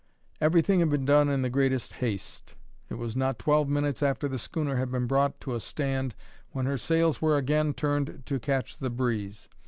Everything had been done in the greatest haste; it was not twelve minutes after the schooner had been brought to a stand when her sails were again turned to catch the breeze.